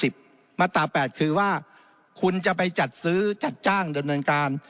มาตรา๘คือว่าคุณจะไปจัดซื้อจัดจ้างดำเนินการ